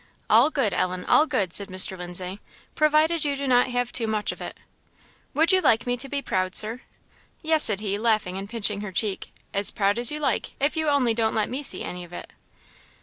"All good, Ellen, all good," said Mr. Lindsay, "provided you do not have too much of it." "Would you like me to be proud, Sir?" "Yes," said he, laughing and pinching her cheek, "as proud as you like, if you only don't let me see any of it."